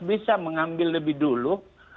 bisa mengambil lebih dulu